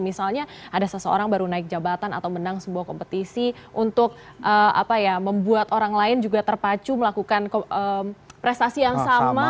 misalnya ada seseorang baru naik jabatan atau menang sebuah kompetisi untuk membuat orang lain juga terpacu melakukan prestasi yang sama